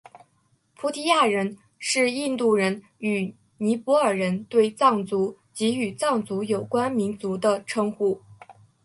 菩提亚人是印度人与尼泊尔人对藏族及与藏族有关民族的称呼。